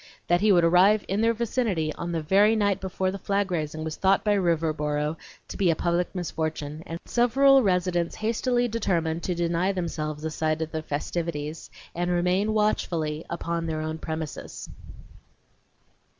That he would arrive in their vicinity on the very night before the flag raising was thought by Riverboro to be a public misfortune, and several residents hastily determined to deny themselves a sight of the festivities and remain watchfully on their own premises.